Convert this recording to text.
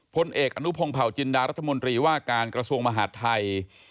พลเอกอนุพงศ์เผาจินดารัฐมนตรีว่าการกระทรวงมหาดไทย